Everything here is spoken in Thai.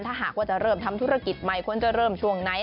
ถ้าหากว่าจะเริ่มทำธุรกิจใหม่ควรจะเริ่มช่วงไหน